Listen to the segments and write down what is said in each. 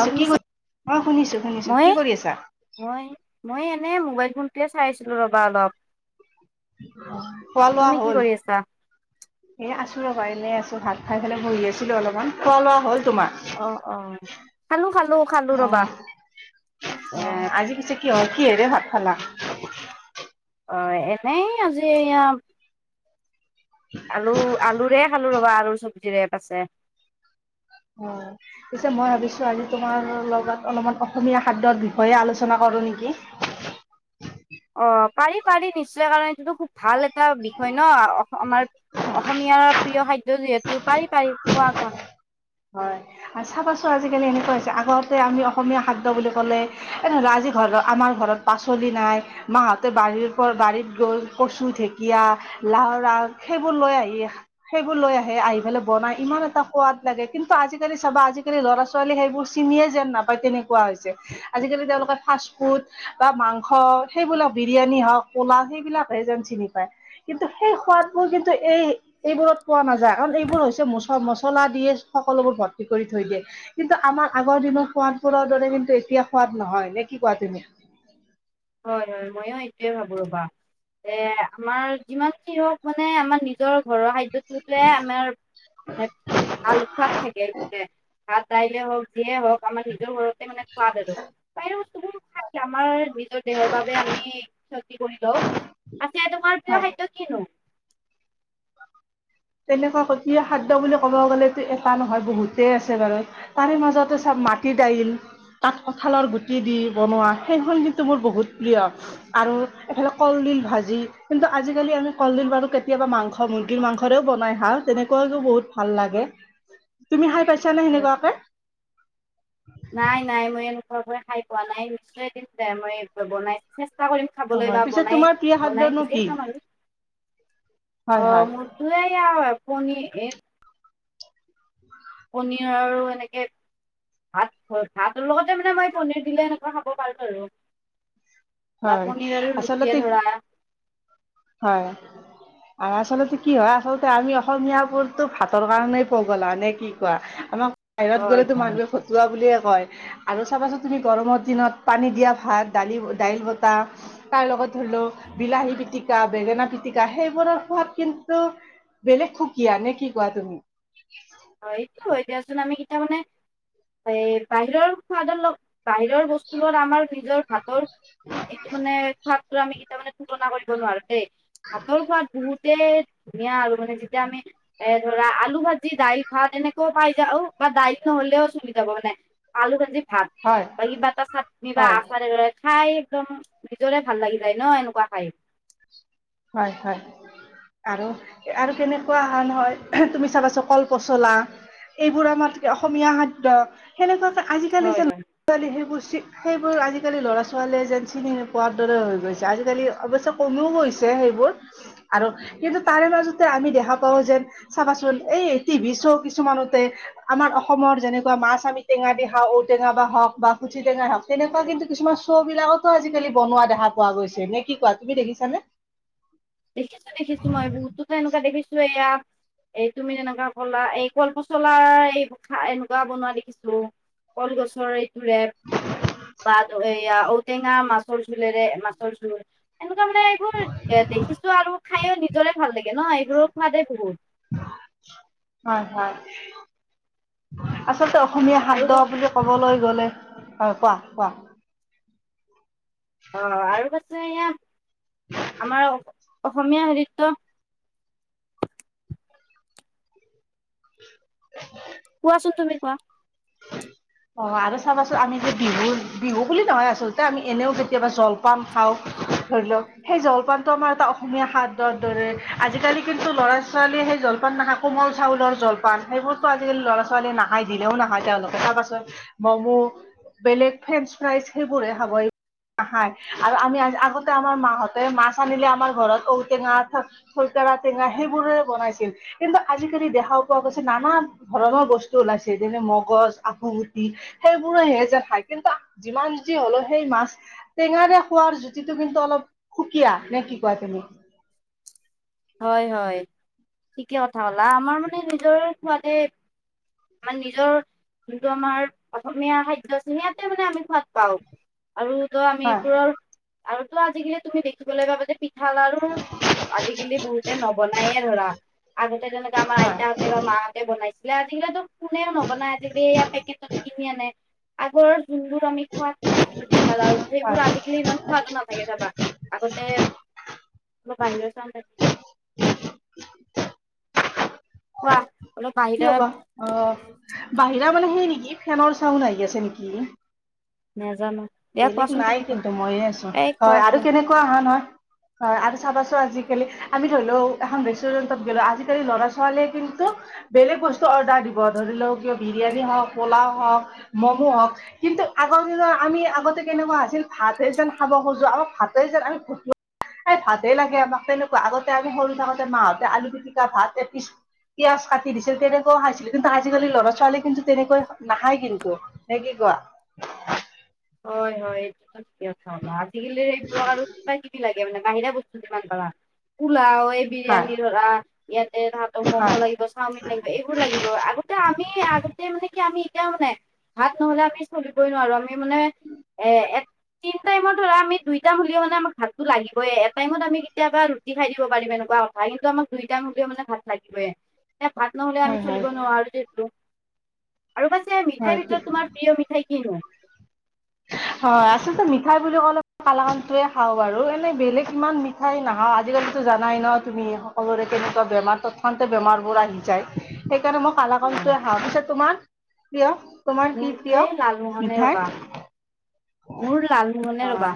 অ কি শুনিছা কৰি অ শুনিছো শুনিছো মই কি কৰি আছা মই মই এনে মোবাইল ফোন। তেতিয়া চাইছিলো ৰ'বা অলপ। খোৱা লোৱা তুমি কি হ'ল কৰি আছা? এ আছো ৰবা এনেই আছো। ভাত খাই পেলাই বহি আছিলো অলপমান খোৱা লোৱা হ'ল। তোমাৰ অ অ খালো খালো খালো অ ৰবা। এ অ আজি পিছে কি হল কি হেৰে ভাত খালা? অ এনেই আজি এয়া। আলু আলুৰে খালো ৰবা আলুৰ চব্জিৰে পাছে। অ পিছে মই ভাবিছো আজি তোমাৰ লগত অলপমান অসমীয়া খাদ্যৰ বিষয়ে আলোচনা কৰিম। কৰো নেকি। অ পাৰি পাৰি নিশ্চয় কাৰণে এইটো খুব ভাল এটা। এটা বিষয় ন আমাৰ অসমীয়াৰ প্ৰিয় খাদ্য। যিহেতু পাৰি পাৰ কোৱা কোৱা। হয় চাবাচো আজিকালি এনেকুৱা হৈছে আগতে আমি অসমীয়া খাদ্য বুলি ক'লে এ ঘৰ আমাৰ ঘৰত পাচলি নাই মাহঁতে বাৰীৰ পৰা বাৰীত গৈ কচু ঢেঁকীয়া। লাওৰা সেইবোৰ লৈ আহি সেইবোৰ লৈ আহি আহি পেলাই বনাই ইমান এটা সোৱাদ। লাগে কিন্তু আজিকালি চাবা আজিকালি ল'ৰা ছোৱালী সেইবোৰ চিনিয়ে যেন নাপায় তেনেকুৱা হৈছে আজিকালি তেওঁ লো- ফাষ্ট ফুড বা মাংস সেইবিলাক বিৰিয়ানী হওক পোলা সেইবিলাকে যেন চিনি পায় কিন্তু সেই সোৱাদবোৰ কিন্তু এই এইবোৰত পোৱা নাযায় কাৰণ এইবোৰ হৈছে মচ মচলা দিয়ে সকলোবোৰ ভৰ্তি কৰি থৈ দিয়ে কিন্তু আমাৰ আগৰ দিনৰ সোৱাদবোৰৰ দৰে কিন্তু এতিয়া সোৱাদ নহয় নে কি কোৱা তুমি? হয় হয় মইয়ো এইটোৱে ভাবো ৰবা। এ আমাৰ যিমান কি হওক মানে আমাৰ নিজৰ ঘৰৱা খাদ্যটোতে আমাৰ মানে ভাল খোৱাদ থাকে সোকতে ভাত দাইলে হওক যিয়ে হওক আমাৰ সিটোও ঘৰ মানে সোৱাদ আৰু তাইয়ো [unintelligible] আমাৰ নিজৰ দেহৰ বাবে আমি ক্ষতি কৰি লও আছে তোমাৰ প্ৰিয় হয় খাদ্য কিনো [unintelligible] তেনেকুৱা কঠীয়া খাদ্য বুলি ক'ব গ'লেতো এটা নহয় বহুতে আছে বাৰু তাৰে মাজতে চ মাটি দাইল তাত কঁঠালৰ গুটি দি বনোৱা সেইখন কিন্তু মোৰ বহুত প্ৰিয় আৰু ইফালে কলদিল ভাঁজি, কিন্তু আজিকালি আমি কলডিল বাৰু কেতিয়াবা মাংস মূৰ্গি মাংস ঘৰেও বনাই খা তেনেকুৱাকো বহুত ভাল লাগে তুমি খাই পাইছানে সেনেকুৱাকে? নাই নাই মই এনেকুৱা খাই পোৱা নাই নিশ্চয় মই বনাই চা কৰিম খাবলৈ হয় বা পিছে বনাই তোমাৰ প্ৰিয় বনাই খাদ্যনো নিজে কি? খাম আৰু হয় অ হয় মোৰ তুৱে আ পনী এ পনীৰ আৰু এনেকে ভাত ভাতৰ লগতে মানে মই পনীৰ দিলে এনেকুৱা খাব পাৰো আৰু। বা হয় পনীৰ আৰু ৰুটিয়ে আচলতে ধৰা হয়। আৰু আচলতে কি হয় আচলতে আমি অসমীয় বোৰতো ভাতৰ কাৰণেই পগলা মানে কি কোৱা আমাক বাহিৰত হয় গ'লেতো হয় মানুহে ভতোৱা বুলি কয় আৰু চাবা চোন তুমি গৰমৰ দিনত পানী দিয়া ভাত দালি দাইল বতাহ তাৰ লগত ধৰি লওক বিলাহী পিটিক কা বেঙেনা পিটিকা সেইবোৰৰ সোৱাদ কিন্তু বেলেগ সুকীয়া নে কি কোৱা তুমি? হয় এইটো এতিয়াচোন আমি কিটা মানে এই বাহিৰৰ খোৱাদৰ লগ বাহিৰৰ বস্তুৰ লত আমাৰ নিজৰ ভাতৰ এইটো মানে সাদ আমি কেইটা মানে তুলনা কৰি ব নোৱাৰো দেই ভাতৰ সোৱাদ বহুত তে ধুনীয়া আৰু মানে যেতিয়া আমি এ ধৰা আলু ভাজি দাইল ভাত তেনেকেও পাই যাও বা দায়িত্ব নহলেও চলি যাব মানে আলু ভাজি ভাত হয় বাকী তা চাতমি বা হয় আছাৰে খাই একদম নিজৰে ভাল লাগি যায় ন এনেকুৱা খাই হয় হয়। আৰু আৰু কেনেকুৱা অহা নহয় তুমি চাবাচা কল পচলা। এইবোৰ আমাৰ অসমীয়া খাদ্য সেনেকুৱা আজিকালি হয় যে ল'ৰা ছোৱালী সেইবোৰ চি সেইবোৰ আজিকালি ল'ৰা ছোৱালীয়ে যেন চিনি নোপোৱাৰ দৰে হৈ গৈছে আজিকালি অৱশ্যে কমিও গৈছে সেইবোৰ আৰু কিন্তু তাৰে মাজতে আমি দেখা পাওঁ যে চাবাচোন এই টিভি কিছুমানতে আমাৰ অসমৰ যেনেকুৱা মাছ আমি টেঙা দি খাওঁ ঔটেঙা বা হওক বা টেঙা হওক হয়। তেনেকুৱা কিন্তু কিছুমান শ্ব বিলাকত আজিকালি বনোৱা দেখা পোৱা গৈছে নে কি কোৱা তুমি দেখিছানে? দেখিছো দেখিছো মই বহুতোতো এনেকুৱা দেখিছো এয়া এই তুমি তেনেকুৱা কলা এই কল পচলা এই খ এনেকুৱা বনোৱা দেখিছো। কলগছৰ এইটো ৰেপ বা এয়া ঔটেঙা মাছৰ জোলেৰে মাছৰ জোল। এনেকুৱা মানে এইবোৰ এ দেখিছোঁ। আৰু খায়ো নিজৰে ভাল লাগে ন এইবোৰৰ সোৱাদে বহুত। হয় আচলতে অসমীয়া আৰু খাদ্য বা- বুলি ক'বলৈ গলে অ কোৱা কোৱা। আহ আৰু পাছে এয়া [inaudible] কোৱাচোন তুমি কোৱা। অ আৰু চাবাচোন আমি বিহুৰ বিহু বুলি নহয় আচলতে আমি এনেও কেতিয়াবা জলপাম খাওঁ। ধৰি লওক সেই জলপানটো আমাৰ এটা অসমীয়া খাদৰ দৰে আজিকালি কিন্তু ল'ৰা ছোৱালী সেই জলপান নাখায় কোমল চাউলৰ জলপান সেইবোৰতো আজিকালি'ৰা ছোৱালীয়ে নাখায় দিলেও নাখায় তেওঁলোকে। তাৰ পাছত ম'ম' বেলেগ ফ্ৰেঞ্চ ফ্ৰাইজ সেইবোৰহে খাব। আৰু আমি আগতে আমাৰ মাহঁতে মাছ আনিলে আমাৰ ঘৰত ঔটেঙা টেঙা সেইবোৰে বনাইছিল কিন্তু আজিকালি দেখা পোৱা গৈছে নানানশ ধৰণৰ বস্তু ওলাইছিল। এনে মগজ [unintelligible] সেইবোৰেহে যে খায় কিন্তু যিমান জুতি হলোও সেই মাছ টেঙাৰে খোৱাৰ জুতিটো কিন্তু অলপ সুকিয়া নে কি কয় তুমি? হয় হয়।। ঠিকে কথা কলা আমাৰ মানে নিজৰ খোৱাদে ম নিজৰ যোনটো আমাৰ অসমীয়া খাদ্য আছে সেইয়াতে মানে আমি শুৱাদ পাও। আৰু তো আমি হয় এইবোৰৰ আৰু তো আজিকালি তুমি দেখিবলৈ পাবা যে থালাৰো আজি [inaudible] বহুতে নবনায়ে ধৰা। আগতে তেনেকে আমাৰ হয় আইতাহঁতে বা মাহঁতে বনাইছিলে [unintelligible] কোনেও নবনাই আজি বেয়া পেকেটত কিনি আনে। আগৰ যোনবোৰ আমি সোৱাদ পাইছিলো পিঠা লাৰুট আৰু হয় সেইবোৰ আজিকালি ইমান সোৱাদো নাথাকে চাবা। আগতে [unintelligible] [inaudible] কোৱা। অলপ কি বাহিৰত হবা আহ বাহিৰা মানে সেই নেকি ফেনৰ চাউণ্ড আহি আছে নেকি? নাজানো দিয়া বেলেগ কোৱাচোন নাই তুমি কিন্তু ময়েই আছো কোৱা এই কোৱা হয় আৰু কোৱা। কেনেকুৱা অহা নহয়। হয় আৰু চাবাচোন আজিকালি আমি ধৰি লও এখন ৰেষ্টুৰেন্টত গলো আজিকালি ল'ৰা ছোৱালীয়ে কিন্তু ত [inaudible] বেলেগ বস্তু অৰ্ডাৰ দিব ধৰি লওক কিয় বিৰিয়ানী হওক পোলাও হওক ম'ম' হওক কিন্তু আগৰ আমি আগতে কেনেকুৱা আছিল ভাতেই যেন খাব খোজো আমাক ভাতে যেন আমি এই ভাতে লাগে আমাক তেনেকুৱা। আগতে আমি সৰু থাকোতে মাহঁতে আলু পিটিকা ভাত এপিছ পিয়াজ [unintelligible] দিছিল তেনেকুৱাও খাইছিলো কিন্তু আজিকালি ল'ৰা ছোৱালী কিন্তু তেনেকৈ নাহাই কিন্তু। নে কি কোৱা? হয় হয় এইটোতো মানে বাহিৰা বস্তু কিমান পালা পোলাও এই হয় বিৰিয়ানী ধৰা ইয়াতে ততৰ মম' হয় লাগিব চাওমিন লাগিব এইবোৰ লাগিব। আগতে আমি আগতে মানে কি আমি এতিও মানে ভাত নহলে আমি চলিবই নোৱাৰো আমি মানে এ তিনি টাইম ধৰা আমি দুইটা হলেও মানে আমাক ভাতটো লাগিবই। এক টাইমত আমি কেতিয়া ৰোটি খাই দিব পাৰিম এনেকুৱা। ভাই কিন্তু আমাক দুইটাইমহলেও মানে ভাত লাগিবই। এ ভাত নহলে হয় আমি হয় চলিব নোৱাৰো, [unintelligible] আৰু পাছে হয় মিঠাইৰ ঠিক। ভিতৰত তোমাৰ প্ৰিয় মিঠাই কিনো? [inaudible] হয় আচলতে মিঠাই বুলি ক'লে কালাকানটোৱে খাওঁ বাৰু। এনেই বেলেগ ইমান মিঠাই নাখাওঁ, আজিকালিটো জানাই ন তুমি সকলোৰে কেনেকুৱা বেমাৰ তত খনটে বেমাৰ বোৰ আহি যায়। সেইকাৰণে মই হয় কালাকানটোৱে আহাওঁ পিছে তোমাৰ প্ৰিয়। তোমাৰ কি মৰটোৱে প্ৰিয় লালমোহনে মিঠাই ৰবা। মোৰ লালমোহনে ৰবা হয়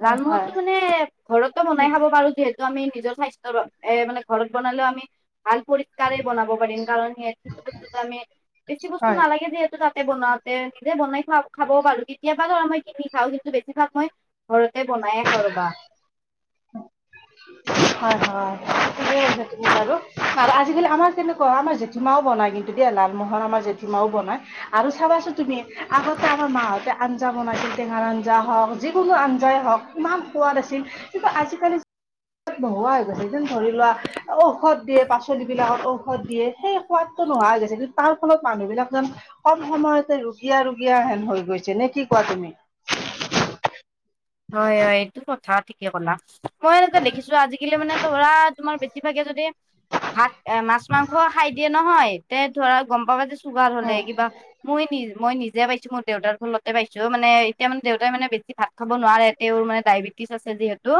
হয় হয় লালমোহনটো মানে। ঘৰতো বনাই ঠিক খাব পাৰো যিহেতু আমি নিজৰ স্বাথ্য এ মানে ঘৰত বনালেও আমি। ভাল পৰিষ্কাৰে বনাব পাৰিম কাৰণ সিক বস্তুতমি বেছি বস্তু হয় নালাগে যিহেতু। বনাওওঁতে নিজে বনাই খ খাব পাৰো কেতিয়াবা ধৰা মই কিনি খাওঁ কিন্তু বেছিভাগ মই ঘৰত। তে বনাইে খাওঁ ৰবা। হয় হয়। আজিকি আমাৰ কেনেুৱা হয় আমাৰ জেঠীমাও বনাই কিন্তু দিয় লালমোহন আমাৰ জেঠীমা। বনাই আৰু চাবাচো তুমি আগতে আমাৰ মাহঁতে আঞ্জা বনাইছিল টেঙাৰ আঞ্জা হওক যি। কিনো আঞ্জাই হওক ইমান সোৱাদ আছিল কিন্তু আজি কালি। নহোৱা হৈ গৈছে যেন ধৰি লোৱা ঔষধ দিয়ে পাচলিব বিলাকত ঔষধ দিয়ে সেই সোৱাদ। নোহোৱা হৈ গৈছে কিন্তু টান ফলত মানুহ বিলাক যেন কম সময়তে ৰোগীয়া গীয়া হেন হৈ গৈছে নে কি কোৱা। তুমি। । [unintelligible] হয় হয় এইটো কথা ঠিকে ক'লা। মই এ দেখিছো আজিকালি মানে ধৰা তোমাৰ বেছিভাগে যদি। ভাত এ মাছ মাংস খাই দিয়ে নহয় তে। ধৰা গম পাবা যে চুগাৰ হলে উম কিবা মই নিজ মই নিজ। যেতিয়া পাইছো মোৰ দেউতাৰ ফলতে পাইছোঁ মানে এতিয়া মান দেতাই মানে বেছি ভাত খাব নোৱাৰে তেওঁৰ মানে ডেবেটছ আছে। যিহেতু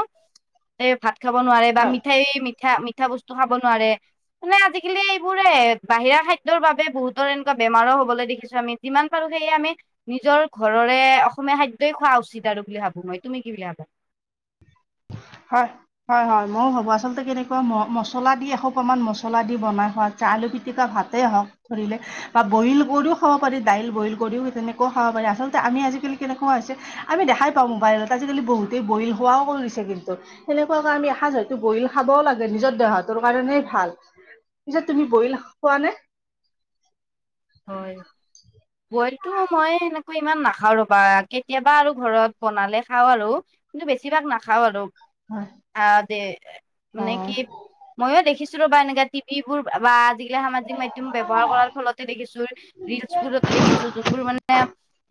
এই ভাত খাব নোৱাৰে বা হয় মিঠাই মিঠা মিঠা বস্তু খাব নোৱাৰে। মানে আজিকালি এইবোৰৰে বাহিৰা খাদ্যৰ বাবে বহুতৰ এনেকুৱা বেমাৰো হবলৈ দেখিছো আমি যিমান পাৰো। সেয়ে আমি নিজৰ ঘৰৰে অসমীয়া খাদেই খোৱা উচিত আৰু। বুলি ভাবো মই তুমি কি বুলি ভাবা। হয় হয় হয় ময়ও ভাবো আচলতে কেনেকুৱা ম মছলা দি এশ প্ৰমান মছলা দি বনাই খোৱা। আলু পিতিকা ভাতে হওক ধৰিলে বা বইল কৰিও খাব পাৰি দাইল বইল কৰিও তেনেকেও খাব পাৰি। আচলতে আমি আজিকালি কেনেকুৱা হৈছে আমি দেখাই পাওঁ মোবাইলত আজিকালি বহুতেই বৰিল হোৱাও কৰি দিছে কিন্তু। সেনেকুৱা কাৰ আমি এসাঁজ হয়তো বহিল খাবও লাগে নিজৰ দেহটোৰ কাৰণে ভাল। পিছে তুমি বইল খোৱা নে। [unintelligible] হয় বইলটো মই এেনেকৈ ইমান নাখাওঁ ৰবা কেতিয়াবা আৰু। ঘৰত বনালে খাওঁ আৰু কিন্তু বেছিভাগ নাখাওঁ আৰু। হয় অ দে মানে কি হয় মইও দেখিছো। এনেকা টিভিবোৰ বা আজিকালি সামাজিক মাধ্ম ব্যৱহাৰ কৰাৰ ফলত। দেখিছো ৰিলচবোৰত দেখিছো যোনবোৰ মানে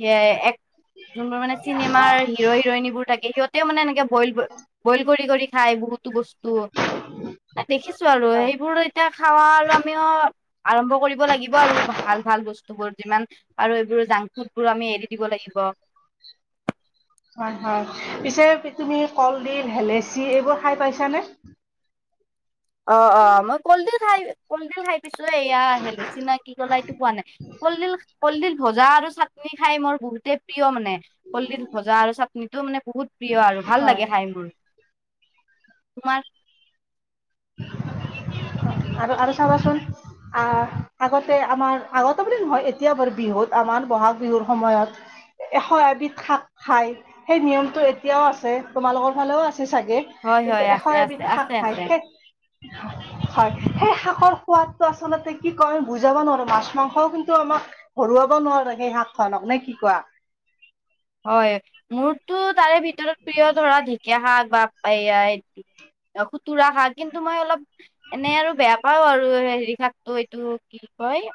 এ এক যোনবোৰ মানে চিনেমাৰ হিৰো হিৰইনীবোৰ থাকে সিহঁতেও মানে এনেকে বইল বইল কৰি কৰি খায় বহুতো বস্তু। দেখিছো আৰু হয় সেইবোৰ এতিয়া খাৱা আৰু আমিও আৰম্ভ কৰিব লাগিব। আৰু ভাল ভাল বস্তু বোৰ যিমান আৰু এইবোৰ জাংক ফুড বোৰ আমি এৰি দিব লাগিব।। [unintelligible] হয় হয় পিছে তুমি কলডিল ভেলেচি এইবোৰ খাই পাইছানে। অ অ মই কলডিল খাই কলডিল খাই। পিছ এয়া আহেলেচিনাাক কি গলা এইটো পোৱা নাই কলডিল কলডিল ভজা আৰু চাক। চাটনি খাই মোৰ বহুতে প্ৰিয় মানে। কললিত ভজা আৰু চাটনিটো মানে বহুত প্ৰিয় আৰু ভাল হয় লাগে খাই মোৰ। তোমাৰ। আৰু আৰু চাবাচোন। আহ আগতে আমাৰ আগতে বুলি নহয় এতিয়া বাৰু বিহুত আমাৰ বহাগ বিহুৰ সময়ত। এশ এবিধ শাক খাই সেই নিয়মটো এতিয়াও আছে তোমালোকৰ ফালেও আছে। চাগে হয় হয় কিন্তু এশ আছে এবিধ আছে আছে হাক নাই আছে সেই। [inaudible] হয় সেই শাকৰ সোৱাদটো আচলতে কি কয় বুজাব নোৱাৰো মাছ মাংসও কিন্তু আমাক। হৰুৱাব নোৱাৰে সেই হাতখনক নে কি কোৱা। হয় মোৰতো তাৰে ভিতৰত প্ৰিয় ধৰা ঢেকীয়া শাক বা। এইয়া খুতুৰা শাক কিন্তু মই অলপ এনে আৰু বেয়া পাও আৰু এই এই শাকটো এইটো কি কয়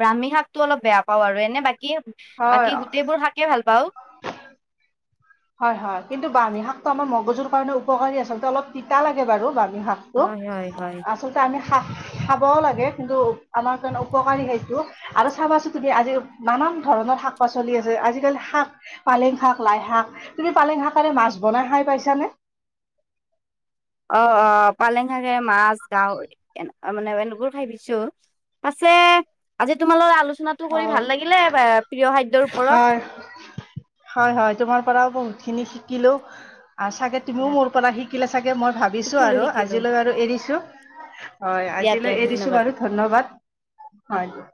ব্ৰাহ্মী শাকটো অলপ বেয়া পাও আৰু এনে বাকী হয় বাকী গোটেইবোৰ শাকে ভাল পাও হয় হয় কিন্তু ব্ৰাহ্মী শাকটো আমাৰ মগজুৰ কাৰণে উপকাৰী আচলতে অলপ তিতা লাগে বাৰু বা ক্ষ্মী শাকটো হয় হয় হয় আচলতে আমি শাক খাব লাগে কিন্তু আমাৰ কাৰণে উপকাৰী সেইটো আৰু চাবাচোন তুমি আজি নানান ন ধৰণৰ শাক পাচলি আছে আজিকালি শাক পালেং শাক লাই শাক তুমি পালেং শাকেৰে মাছ বনাই খাই পাইছানে অ পালেং শাকে মাছ গাহৰি এনে মানে এনেবোৰ খাই পাইছো আছে আজি তোমাৰ লগৰ আলু আলোচনাটো অ কৰি ভাল লাগিলে প্ৰিয় খাদ্যৰ হয় ওপৰত হয় হয় তোমাৰ পৰাও বহুত খিনি শিকিলো চাগে তুমিও মোৰ পৰা শি চাগে মই ভাবিছো শিকিলো আৰু শিকিলো আজিলৈ বাৰু এৰিছো হয় দিয়া দিয়া আজিলৈ ধন্যবাদ এৰিছো বাৰু ধন্যবাদ হয়